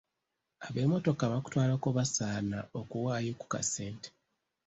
Ab'emmotoka abakutwalako basaana okuwaayo ku kasente.